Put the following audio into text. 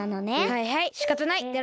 はいはいしかたない。